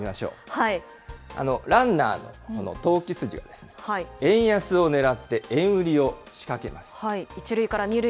ランナーの投機筋が、円安をねらって円売りを仕掛けます。